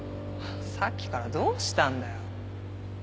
さっきからどうしたんだよ。